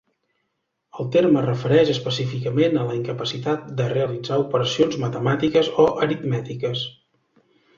El terme es refereix específicament a la incapacitat de realitzar operacions matemàtiques o aritmètiques.